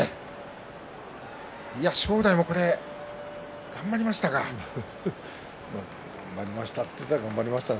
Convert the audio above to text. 正代も頑張りましたが。